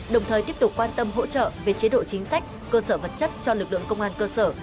đồng thời tiếp tục quan tâm hỗ trợ về chế độ chính sách cơ sở vật chất cho lực lượng công an cơ sở